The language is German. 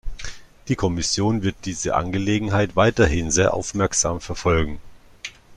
Die Kommission wird diese Angelegenheit weiterhin sehr aufmerksam verfolgen.